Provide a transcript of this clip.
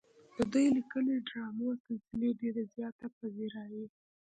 د دوي ليکلې ډرامو سلسلې ډېره زياته پذيرائي